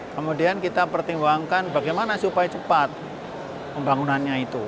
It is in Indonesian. kemudian kita pertimbangkan bagaimana supaya cepat pembangunannya itu